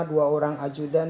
dua orang ajudan